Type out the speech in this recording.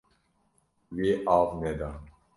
Wî av neda.